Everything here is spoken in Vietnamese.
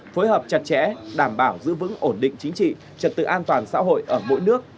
phối hợp chặt chẽ đảm bảo giữ vững ổn định chính trị trật tự an toàn xã hội ở mỗi nước